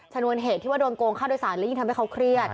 นวนเหตุที่ว่าโดนโกงค่าโดยสารและยิ่งทำให้เขาเครียด